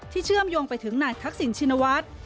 เชื่อมโยงไปถึงนายทักษิณชินวัฒน์